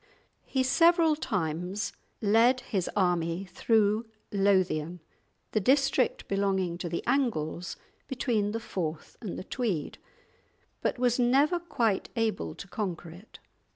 He several times led his army through Lothian, the district belonging to the Angles between the Forth and the Tweed, but was never quite able to conquer it.